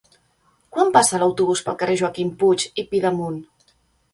Quan passa l'autobús pel carrer Joaquim Puig i Pidemunt?